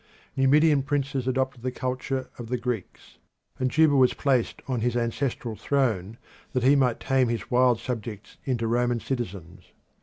Numidian princes adopted the culture of the Greeks, and Juba was placed on his ancestral throne that he might tame his wild subjects into Roman citizens.